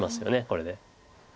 これで。